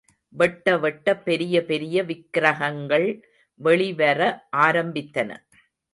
வெட்ட வெட்ட பெரிய பெரிய விக்ரகங்கள் வெளிவர ஆரம்பித்தன.